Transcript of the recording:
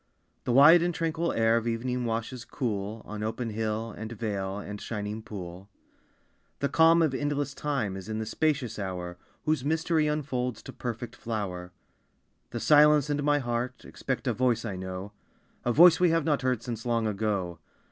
The wide and tranquil air Of evening washes cool On open hill, and vale, And shining pool. The calm of endless time Is in the spacious hour, Whose mystery unfolds To perfect flower. The silence and my heart Expect a voice I know, A voice we have not heard Since long ago.